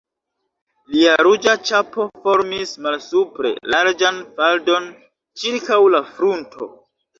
Lia ruĝa ĉapo formis malsupre larĝan faldon ĉirkaŭ la frunto.